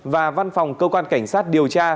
và văn phòng cơ quan cảnh sát điều tra